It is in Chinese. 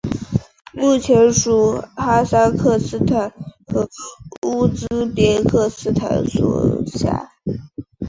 目前属哈萨克斯坦和乌兹别克斯坦所辖。